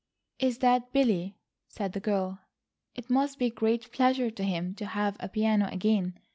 "Is that Billy?" said the girl. "It must be a great pleasure to him to have a piano again.